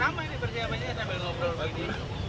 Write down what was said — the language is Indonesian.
sama ini persiapannya kita ngobrol begini